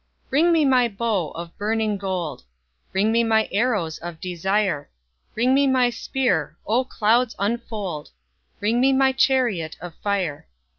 Bring me my bow of burning gold: Bring me my arrows of desire: Bring me my spear: O clouds unfold! Bring me my chariot of fire.